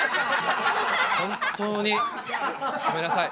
本当にごめんなさい。